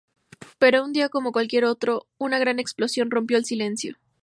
Pero un día como cualquier otro, una gran explosión rompió el silencio.